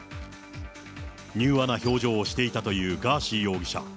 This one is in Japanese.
柔和な表情をしていたというガーシー容疑者。